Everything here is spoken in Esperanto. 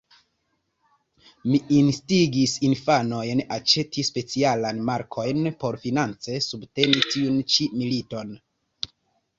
Li instigis infanojn aĉeti specialajn markojn por finance subteni tiun ĉi militon.